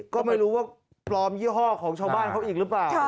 ก็ไม่รู้ว่าปลอมยี่ห้อของชาวบ้านเขาอีกหรือเปล่า